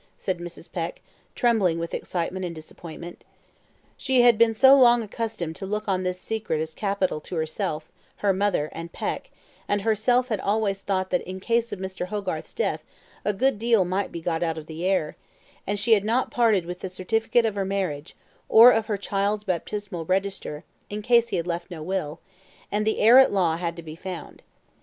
said Mrs. Peck, trembling with excitement and disappointment. She had been so long accustomed to look on this secret as capital to herself: her mother, and Peck, and herself had always thought that in case of Mr. Hogarth's death a good deal might be got out of the heir; and she had not parted with the certificate of her marriage, or of her child's baptismal register, in case he had left no will, and the heirat law had to be found.